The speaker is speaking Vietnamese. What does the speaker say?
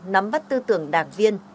nắm bắt tư tưởng đảng viên